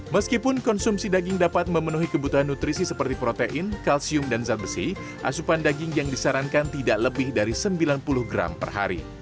meskipun konsumsi daging dapat memenuhi kebutuhan nutrisi seperti protein kalsium dan zat besi asupan daging yang disarankan tidak lebih dari sembilan puluh gram per hari